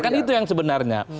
kan itu yang sebenarnya